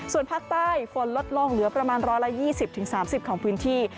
ส่วนภาคใต้ฝนลดลงเหลือประมาณ๑๒๐๓๐ของพื้นที่